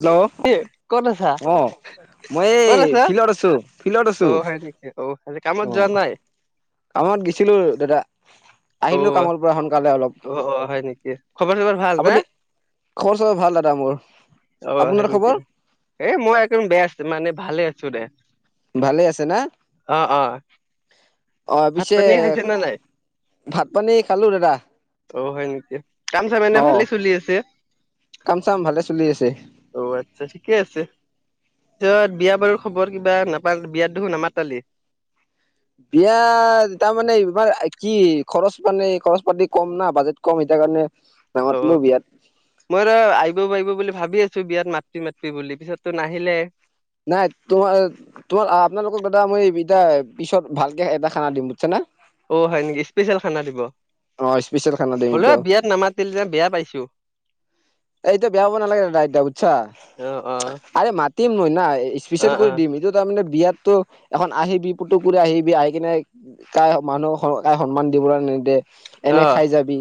Hello কি ক'ত আছা? অ মই এই ক'ত আছ ফিল্ডত আছো ফিল্ডত আছো অ হয় নেকি অ কামত অ যোৱা নাই? কামত গৈছিলোঁ দাদা। অ আহিলোঁ কামৰ পৰা সোনকালে অলপ অ অ হয় নেকি খবৰ চবৰ ভাল না আপুনি? খৰচবৰ ভাল দাদা মোৰ। অ সেই আপোনাৰ নেকি খবৰ এ মই একদম বেস মানে ভালে আছোঁ দে। ভালে আছে না? অ অ অ ভাত পিছে পানী খাইছে নে নাই ভাত পানী খালোঁ দাদা। অ হয় নেকি কাম চাম এনে অ ভালে চলি আছে? কাম চাম ভালে চলি আছে অ আচ্ছা ঠিকেই আছে। পিছত বিয়া বাৰুৰ খবৰ কিবা নাপা বিয়াত দেখোঁ নামাতালি। বিয়া তাৰমানে ইমাৰ কি খৰচ মানে খৰচ পাতি কম না বাজেট কম সেইতাৰ কাৰণে। অ নামাতিলো বিয়াত মইত আহিব আহিব বুলি ভাবি আছো। বিয়াত মাতি মাতিম বুলি পিছততো নাহিলে। নাই তোমাৰ তোমাৰ আপোনালোকক দাদা মই ইতা পিছত ভালকে এটা খানা দিম বুইজছ নে। অ হয় নেকি স্পেচিয়েল খানা দিব অ স্পেচিয়েল খানা দিম হ'লেও ত বিয়াত নামাতিল যে বেয়া পাইছোঁ। এই এতিয়া বেয়া পাব নালাগে দাদা এতিয়া বুইছ অ অ আৰে মাতিম ময় নাই। অ স্পেচিয়েল কৰি দিম এইটো তাৰমানে- বিয়াতো এখন আহিবি পুতুকু আহিব বি আহিবি কিনে কাই মানুহক কাই সন্মান দিবলৈ নিদিয়ে- অ এনে অ খাই যাবি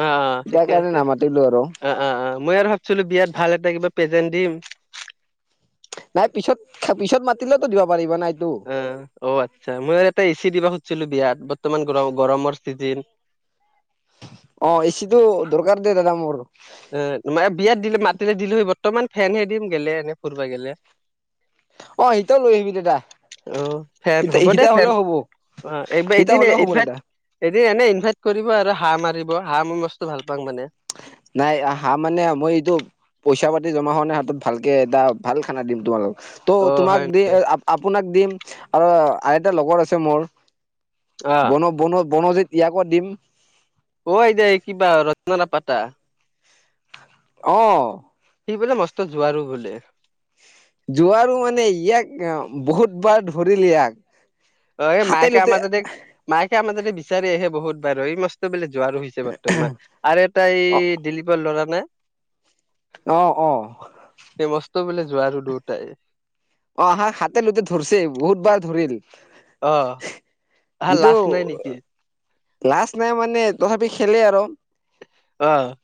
অ অ সেই ঠিকে কাৰণে আছে নামাতিলোঁ আৰু- অ অ অ মই আৰু ভাবিছিলোঁ বিয়াত ভাল এটা কিবা প্ৰেজেন্ট দিম- নাই পিছত পিছত মাতিলেতো দিব পাৰিব নাই- - অ অ আচ্ছা মই আৰু এটা এচি দিবা খুজিছিলোঁ বিয়াত- বৰ্তমান গৰম গৰমৰ চিজন- অ এচিটো দৰকাৰ দেই দাদা মোৰ- এ মানে বিয়াত দিলে মাতিলে দিলো হয় বৰ্তমান ফেনহে দিম গেলে এনে ফুৰিব গেলে-। অ সতিয়াও লৈ আহিবি দেতা-। অ ফেন হ'ব দে ফেন অ এইবাৰ সিটা এদিন হ'লেও হ'ব দাদা ইভাইট-। এদ এনে ইনভাইট কৰিব আৰু হাঁহ মাৰিব হাঁহ মই বস্তু ভাল পাওঁ মানে-। নাই হা মানে মই এইটো পইচা পাতি জমা হোৱা নাই হাতত ভালকে এটা ভাল খানা দিম তোমালোকক- অ ত' তোমাক হয় দি আপোনাক দিম আৰু আইতাৰ লগৰ আছে মোৰ- অ বন বন বনজিত ইয়াকো দিম- [unintelligible] পটা অ- সঠ বোলে মস্ত জোৱাৰো বোলে- জোৱাৰো মানে ইয়াক বহুত বাৰ ধৰিল ইয়াক- অ এই হাতে মাকে লুতে আমাৰ তাতে মাকে আমাৰ তাতে বিচাৰহে বহুত বাৰ এই মস্ত বোলে- জোৱাৰো হৈছে বৰ্তমান আৰু এটা এই দিলীপৰ ল'ৰা নে- আহ অ- য আৰু দুয়োটাই - অ আহা হাতে লোতে ধৰিছে বহুত বাৰ ধৰিল- আহ আহ যিটো লাজ নাই নেকি? লাজ নাই মানে তথাপি খেলে আৰু- আহ-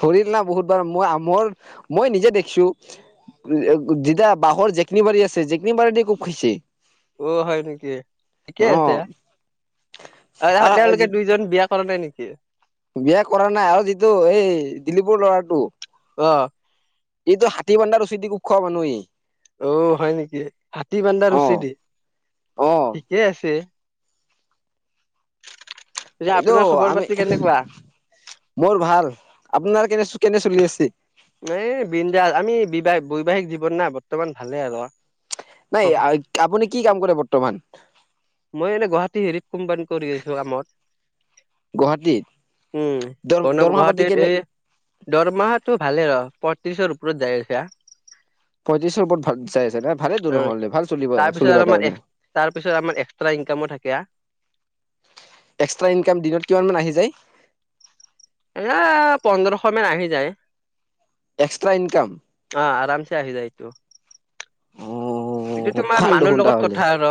ধৰিল না বহুতবাৰ মই মোৰ মই নিজে দেখিছোঁ - যতিয়া বাঁহৰ জেকনি বাৰী আছে জেকনি বাৰী দ খুব খাইছে। অ হয় নেকি অ ঠিকে আছে আৰু তেওঁলোকে দুইজন বিয়- কৰা নাই নেকি? বিয়া কৰা নাই আৰু যিটো এই দিলীপৰ ল'ৰাটো- অ এইটো হাতী বন্ধাৰ ৰচি দি খুব খোৱা মানুহেই- অ হয় নেকি হাতী বানদা ৰুচি অ দি অ ঠিকে আছে। যে এইটো আপোনাৰ খবৰ আমি পাতি কেনেকুৱা মোৰ ভাল। আপোনাৰ কেনে কেনে চলি আছে? এই বৃন্দা আমি বিবাহ বৈবাহিক জীৱন ন বৰ্তমান ভালে আৰু- নাই আপুনি কি কাম কৰে বৰ্তমান- মই এনে গুৱাহাটী হেৰিত কোম্পানী কৰি আছোঁ আমাৰ। গুৱাহাটীত উম দৰ কৰ্ণৱ দৰমহা পাতি গুৱাহাটীত কেনে এই দৰমাহাটো- ভালে ৰ পত্ৰিশৰ ওপৰত যায় আছা- পঁয়ত্ৰিশৰ ওপৰত ভাল যাই আছে ন ভালে দৰমহা হ'লে ভাল চলিব তাৰপিছত চলিবৰ কাৰণে তাৰপিছত আমাৰ এক্সটা ইনকাম - থাকে তেতিয়া এক্সট্ৰা ইনকাম দিনত কিমান মান আহি যায়- এ পোন্ধৰশ মান আহি যায়- এক্সট্ৰা ইনকাম অ আৰামচে আহ যায় তো- এইটো অ তোমাৰ ভাল মানুহ দেখোন লগত তাহ'লে কথা আৰু-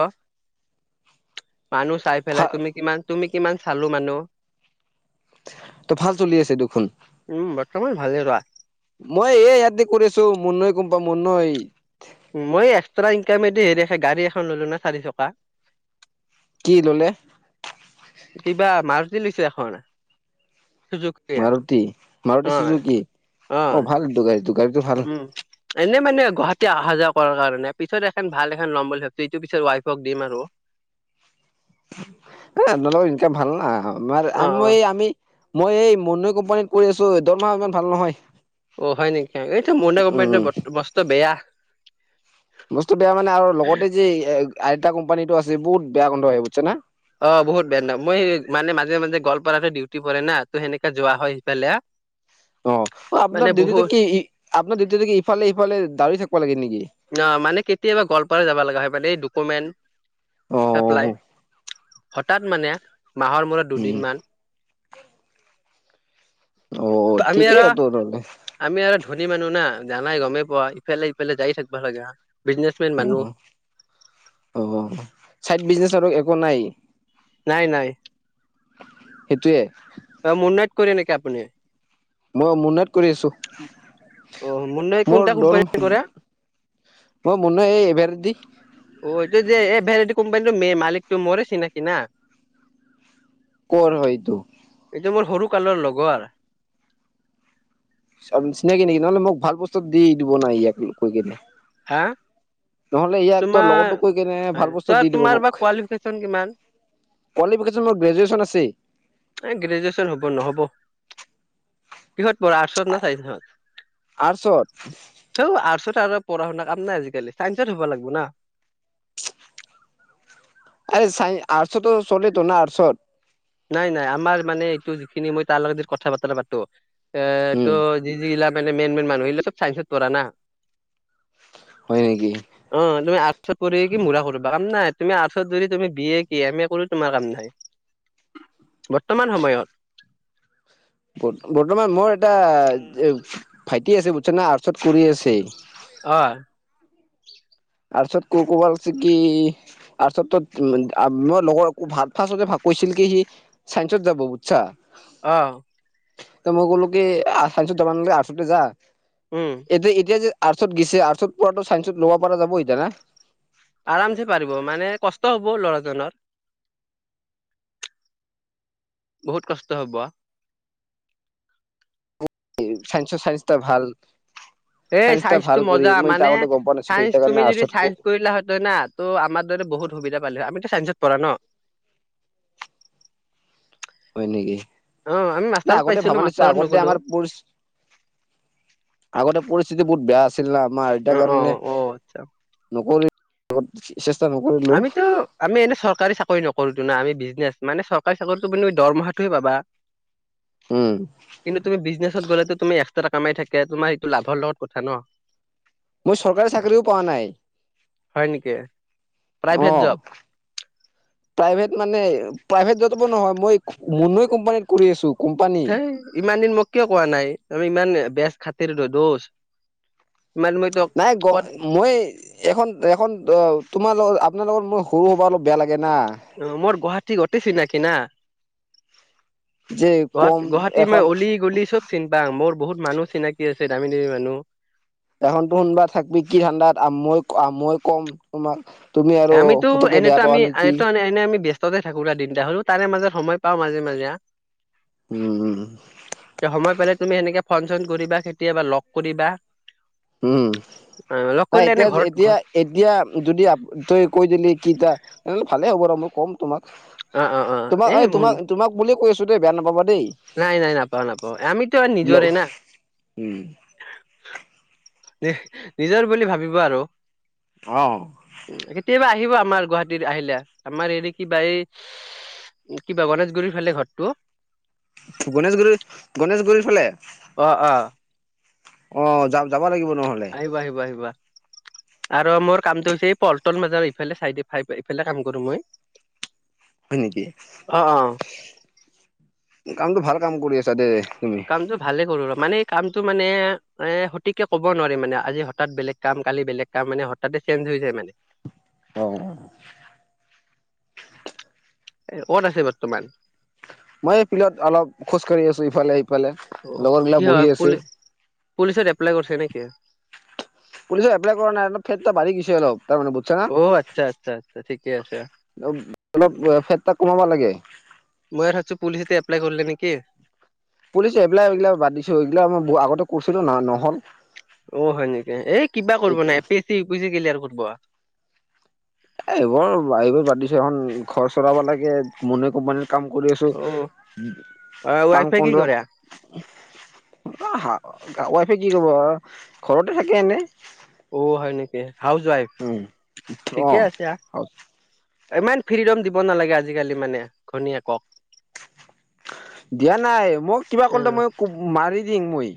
মানুহ চাই পেলাই ভাল তুমি কিমান তুমি কিমান চালো মানুহ- ত ভাল চলি আছে দেখোন- তমান ভালে ৰোৱা- মই এই ইয়াতে কৰি আছো মুন্নৈ গোম পা মুন্নয় মই এক্সট্ৰা ইনকামেদি হেৰি গাড়ী এখন ললো না চাৰি চকা। কি ললে কিবা মাৰুতি লৈছে এখন চুজুকীয়া অ মাৰুতি-মাৰুতি চুজো কি অ ভালটো গাড়ীটো গাড়ীটো ভাল এনেই মানে গুৱাহাটী অহা যোৱা কৰাৰ কাৰণে পিছত এখন ভাল এখন ল'ম বুলি ভাবছো এইটো পিছত ৱাইফক দিম আৰু [inaudible] হ নলওঁ ইনকাম ভাল না আমাৰ অ অ আমিই আমি মই এই মন্নৈ কোম্পানীত কৰি আছো দৰমাহ ইমান ভাল নহয় [unintelligible] অ হয় নেকি এইটো মন্দা উম কোম্পানীৰ বস্তু বেয়া। বস্তু বেয়া মানে আৰু লগতে যে আইতা কোম্পানীটো আছে বহুত বেয়া গন্ধ হয় বুজিছে না। অ বহুত বেয়া ন মই মানে মাজে মাজে গোৱালপাৰাটো ডিউটি পৰে না ত সেনেকা যোৱা হয় সেইফালে। অ আপোনাৰ ডিউটিটো কি আপোনাৰ ডিউটিটো ইফালে সিফালে দাউৰি থাকিব লাগে নেকি। না মানে কেতিয়াবা গোৱালপাৰা যাব লগা হয় মানে এই অ ডকুমেণ্ট এপলাই হঠাৎ মানে মাহৰ মূৰত উম দুদিন মান অ আমি ঠিকেই আৰু, তো নহলে আমি আৰু ধনী মানুহ না জানাই গমেই পোৱা ইফালে সিফালে যায়েই থাকিব লাগে অ চাইড বিজনেচ আৰু একো নাই নাই নাই সেইটোৱে মুন্নাইট ক নেকি আপুনি মই মুন্নাইত কৰি আছো অ' মুন্নাই কোনটা মোৰ দ কোম্পানীত কৰে? মই মুন্নাই এই এভাৰ দি অ এইটো যে এই ভেৰাইট কোম্পানীটো মেইন মালিকটো মোৰেই চিনাকি না কৰ হয় এইত এ মোৰ সৰুকালৰ লগৰ চিনাকি নেকি নহলে মোক ভাল বস্তু দি দিব নাই ইয়াক কৈ কিনে হাঁ নহলে ইয়াক তোৰ লগৰটোক কৈ কেনে ভাল বস্তু তই দি দিব তোমাৰ বা মোক কোৱালিফিকেচন কিমান কোৱালি ফিকেশন মোৰ গ্ৰেজুৱেচন আছেই এ গ্ৰেজুৱেচন হব নহ'ব কিহঁত পঢ়া আটৰ্চত না চাইন্সত? আৰ্টছত [unintelligible] পঢ়া-শুনা কাম নাই আজিকালি চাইন্সত হ'ব লাগিব না আৰে চাইন আৰ্টছতো চলে তোৰ ন আৰ্টছত [inaudible] নাই-নাই আমাৰ মানে এইটো যিখিনি মই তাৰ লগত যে কথা বতৰা পাতো [unintelligible] এ উম, ত' যি যি ইিলা মেইন-মেইন মানুহ আহিলে চব চাইন্সত পঢ়া না হয় নেকি? অ তুমি আৰ্টছত কৰি যশৰ কি মুঢ়ৰা কৰবা কাম নাই তুমি আৰ্টছত যৰি তুমি বি এ কি এম এ কৰো তোমাৰ কাম নাই বৰ্তমান সময়ত বৰ্তমান মোৰ এটা ভাইটি আছে বুজিছা না আৰ্টছত কৰি আছে অ তাৰ পিছত কব ভাল‌ কি তাৰপিছত ত মই লগৰ ভাত চাত কৈছিল কি সি চাইন্সত যাব বুজিছা অহ মই ক'লো কি চাইন্সত যাব নালাগে আৰ্টছতে যা উম এতিয়া এতিয়া যে আৰ্টচত গৈছে আৰ্টচত পোৱাটো চাইন্সত ল'ব পৰা যাব এতিয়া না আৰামছে পাৰিব মানে কষ্ট হ'ব ল'ৰাজনৰ বহুত কষ্ট হ'ব চাইন্সৰ চাইন্স ত ভাল এই চাইন্সটা চাইন্সটো ভাল কৰি মজা মই এতিয়া মানে আগতে গম পোৱা নাছিলো এতিয়া চাইন্সটো তুমি কাৰণে যদি আৰ্টছত চাইন্সটো কৰিলা হয় তই না ত' আমাৰ দৰে বহুত সুবিধা পালি হয় আমিতো চাইন্সটত পঢ়া ন হয় নেকি অ আমি না মাষ্টাৰত আগতে পাইছিলো ভবা নাছিলোঁ মাষ্টাৰত আগতে নগলো আমাৰ পছ আগতে পৰিস্থিতি বহুত বেয়া আছিল আমাৰ আইতা‌ অ অ কাৰণে অ আচ্ছা নকৰি চেষ্টা নকৰিলো আমিতো আমি এনে চৰকাৰী চাকৰি নক চাকৰিটো ন আমি বিজনেছ মানে চৰকাৰী চাকৰিটো দৰমহাটোহে পাবা উম কিন্তু তুমি বিজনেচত গ'লেতো তুমি কামাই থাকে তোমাৰ সেইটো লাভৰ লগত কথা ন মই চৰকাৰী চাকৰিও পোৱা নাই হয় নেকি? অ প্ৰাইভেট জব প্ৰাইভেট মানে প্ৰাইভেট যপো নহয় মই মুন্নুই কোম্পানীত কৰি আছোঁ হে ইমান দিন মোক কিয় কোৱা নাই আমি ইমান বেচ খাতিৰত দুশ নাই গ মই এখন এখন অ তোমাৰ লগ আপোনাৰ লগত মোৰ সৰু হবা অলপ বেলেগ অ মোৰ গুৱাহাটী গটেই চিনাকি না যে গুৱা কম গুৱাহাটী এখন মই অলি গলি চব চিন পাওঁ মোৰ বহুত মানুহ চিনাকি আছে দামী দামী মানুহ এশনটো শোনবা থাকবি কি ঠাণ্ডাত মই মই কম তোমাক তুমি আৰু আমিতো পুতুককে বেয়া এনেতো পাৱা আমি নেকি এনে আমি ব্যস্ত ততে থাকো দিনটা হ'লও তাৰে মাজে সময় পাওঁ মাজে মাজে উম উম তে সময় পালে তুমি সেনেকে ফন চন কৰিবা কেতিয়াবা লগ কৰিবা উম অ লগ নাই কৰিলে এনে এতিয়া ঘৰত এতিয়া ঘৰ এতিয়া যদি আ তাই কৈ দিলি কিতা তেনেহ'লে ভালে হ'ব ৰ মই ক'ম তোমাক অ অ অ তোমাক এই মোৰ তোমাক তোমাক বুলিয়েই কৈ আছো দেই বেয়া নাপাব নাই নাই নাপাও নাপাওঁ আমিতো আৰু নিজৰে ন উম নি নিজৰ বুলি ভাবিবা আৰু অ কেতিয়াবা আ আহিবা আমাৰ গুৱাহাটীত আহিলে আমাৰ হেৰি কিবা এই কিবা গণেশগুৰিৰ ফালে ঘৰটো গণেশগুৰি গণেশগুৰিৰ ফালে অ অ অ যাম যাব লাগিব নহলে আহিব আহিব আহিবা আৰু মোৰ কামটো হৈছে এই পলটন বাজাৰ সিফালে চাই দি ফাই এইফালে কাম কৰো মই হয় নেকি অ', অ'। কামটো ভাল কাম কৰি আছা দে কামটো ভালে কৰোঁ ৰ মানে কামটো মানে এ সঠিককে ক'ব নোৱাৰি মানে আজি হঠাৎ বেলেগ কাম কালি বেলেগ কাম মানে হঠাতে চেঞ্জ হৈ যায় মানে অ অ ক'ত আছে বৰ্তমান? মই ফিলত অলপ খোজ কাঢ়ি আছো ইফালে সিফালে অ' লগৰ গিলা কি বহি হয় আছে পুলি পুলিচত এপ্লাই কৰিছ নেকি? পুলিচত এপ্লাই কৰা নাই ফেটটা বাঢ়ি গৈছে অলপ তাৰ মানে বুজছ না অ' আচ্ছা আচ্ছা আচ্ছা ঠিকে আছে। অলপ ফেট টা কমাব লাগে মই ভাবিছো পুলিচতে এপ্লাই কৰিলে নেকি? পুলিচ এপ্লাইল এইগিলা বাদ দিছো এইগিলা আগতে কৰিছিলো ন নহল অ হয় নেকি এই কিবা কৰিব নাই এপিচি ইউপিচি কৰিলি আৰু কৰবা। এইবোৰ এইবোৰ বাদ দিছো এখন ঘৰ চলাব লাগে মনে কোম্পানীৰ কাম কৰি আছো অ' পাং ৱাইফে কি কৰে? পধপ কা ৱাইফে কি কব ঘৰতে থাকে এনে অ হয় নেকি হাউচ ৱাইফ উম অ ঠিকে আছে। ইমান ফ্ৰীডম দিব নালাগে আজিকালি মানে ঘনীয়েকক দিয়া নাই মই কিবা কলে অ', মই মাৰি দিম মই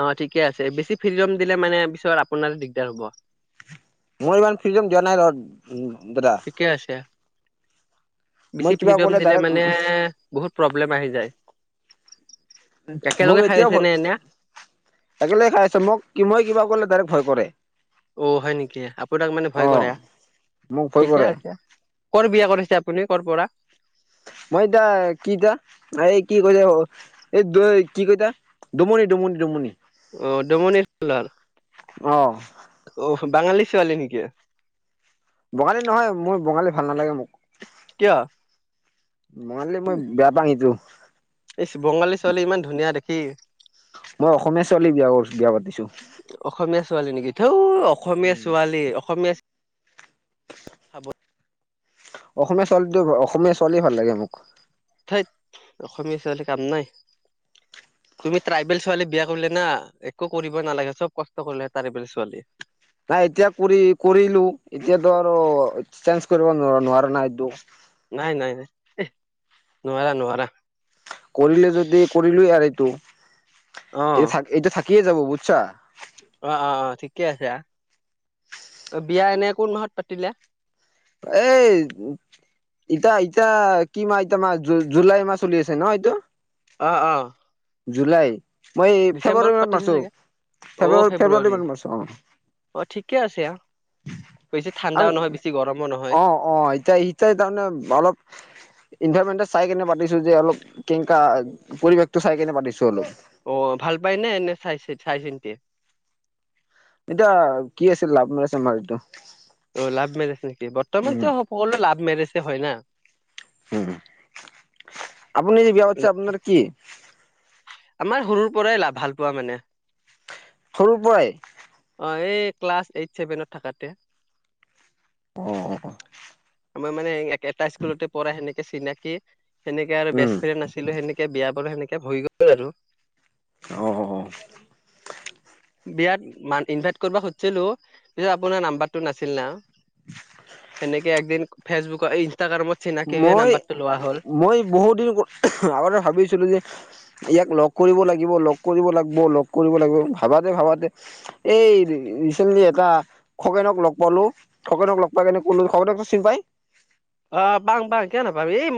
অ ঠিকে আছে বেছি ফ্ৰিডম দিলে মানে পিছত আপোনাৰ দিগদাৰ হ'ব। মই ইমান ফ্ৰিদম দিয়া নাই ৰত ঠিকে আছে মই বেছি কিবা ফ্ৰিডম ক'লে দিলে ডাইৰেক্ট মানে বহুত প্ৰব্লেম আহি যায়। মোক একেলগে খাই এতিয়াও আছে নে এনে একেলগে খাই আছ মোক মই কিবা কৰিলে ডাইৰেক্ট ভয় কৰে অ হয় নেকি আপোনাক মানে ভয় অ' কৰে মোক ভয় ঠিকে কৰে আছে কৰ বিয়া কৰিছে আপুনি কৰ পৰা? মই দা কি দা এই কি কৈছ এক দুই কি কৈতা ডমুনি ডমুনি ডমুনি অ দুমুনি [unintelligible] অ' অহ বাঙালী ছোৱালী নেকি? বঙালী নহয় মোৰ বঙালী ভাল নালাগে মোক কিয়? বঙালী মই বেয়া পা আহিছো এই বঙালী ছোৱালী ইমান ধুনীয়া দেখি মই অসমীয়া ছোৱালী বিয়া কৰিছো বিয়া পাতিছো। অসমীয়া ছোৱালী নেকি থৌ অসমীয়া উম ছোৱালী অসমীয়া অসমীয়া ছোৱালীটো অসমীয়া ছোৱালী ভাল লাগে মোক ঠেইত অসমীয়া ছোৱালী কাম নাই। তুমি ট্ৰাইবেল ছোৱালী বিয়া কৰিলে না একো কৰিব নালাগে চব কষ্ট কৰিলে ট্ৰাইবেল ছোৱালীয়ে নাই এতিয়া কৰি কৰিলো এতিয়াতো আৰু চেঞ্জ কৰিব নোৱাৰ নোৱাৰা নাই এইটো নাই নাই নাই নোৱাৰা নোৱাৰা কৰিলে যদি কৰিলোঁ আৰু এইটো অ এইটো এইটো থাকিয়ে যাব বুজছা অ অ অ ঠিকে আছে বিয়া এনে কোন মাহত পাতিলে [unintelligible] ইতা ইতয়া কি মাহ ইত মাহ জুলাই মাহ উলি আছে ন এইটো অ অ জুলাই মই ডিচেম্বৰত ফেব্ৰুৱাৰী মানত পাতিছিল মাৰছো চাগে ফেব্ৰুৱাৰী ফেব্ৰুৱাৰী মানত মাৰছো অ অ ঠিকে আছে আৰু বেছি ঠাণ্ডাও নহয় বেছি গৰম অ অ এতিয়া ইতিয়া তাৰমানে অলপ ইনভাৰমেন্টছ চাই কেনে পাতিছো যে অলপ কেনেকা পৰিৱেশটো চাই কেনে পাতিছো অলপ অ ভাল পায় ন এনে চাইছে চাই চিন্তি এ এতিয়া কি আছিল লাভ ৰিলেশ্বন এইটো অ লাভ মেৰেজ নেকি উম বৰ্তমানত সকলো লাভ মেৰেজে হয় না উম আপুনি যে বিয়া পাতিছে আপোনাৰ কি? আমাৰ সৰুৰ পৰাই লা ভাল পোৱা মানে সৰু পৰাই। অঁ এ ক্লাছ এইট চেভেনত থাকাতে। অ আমাৰ মানে এটা স্কুলতে পঢ়া সেনেকে চিনাকি সেনেকে আৰু উম বেষ্টফ্ৰেণ্ড আছিলে সেনেকে বিয়া বাৰু সেনেকে হৈ গ'ল আৰু। অ বিয়াত মান ইনভাইট কৰিব খুজিছিলোঁ পিছত আপোনাৰ নাম্বাৰটো নাছিল না। এনেকে একদিন ফেচবুকত মই মই বহুত দিন আগতে ভাবিছিলো যে ইয়াক লগ কৰিব লাগিব লগ কৰিব লাগিব লগ কৰিব লাগিব ভাবাতে ভাবাতে এই ৰিচেণ্টলি বা খগেনক লগ পালো খগেনক লগ পাই কেনে কলো, খগনকটো চিনি পাই? অ বাং বাং কিয় নাপাম এই মই